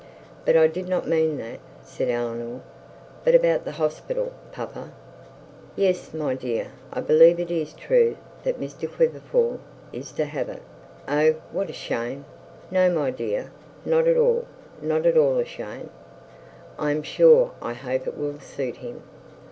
But I did not mean that,' said Eleanor. 'But about the hospital, papa? 'Yes, my dear. I believe it is true that Mr Quiverful is to have it.' 'Oh, what a shame!' 'No, my dear, not at all, not at all a shame: I am sure I hope it will suit him.'